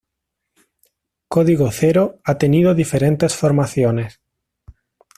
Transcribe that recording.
Código Zero ha tenido diferentes formaciones.